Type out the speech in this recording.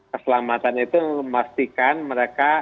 keselamatan itu memastikan mereka